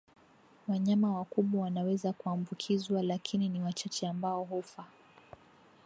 Wanyama wakubwa wanaweza kuambukizwa lakini ni wachache ambao hufa